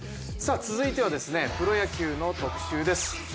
続いてはプロ野球の特集です。